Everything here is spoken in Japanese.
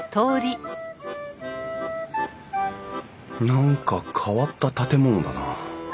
何か変わった建物だな。